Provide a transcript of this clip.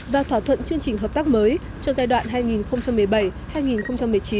và thỏa thuận chương trình hợp tác mới cho giai đoạn hai nghìn một mươi bảy hai nghìn một mươi chín